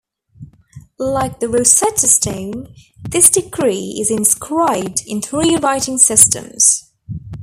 Like the Rosetta Stone, this decree is inscribed in three writing systems.